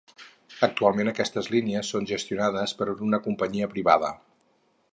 Actualment aquestes línies són gestionades per una companyia privada.